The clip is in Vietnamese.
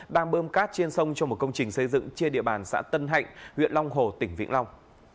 đang bơm cát trên sông cho một công trình xây dựng trên địa bàn xã tân hạnh huyện long hồ tỉnh vĩnh long